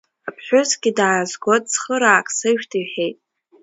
Аԥҳәысгьы даасгоит, цхыраак сышәҭ, — иҳәеит.